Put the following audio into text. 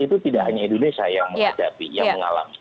itu tidak hanya indonesia yang menghadapi yang mengalami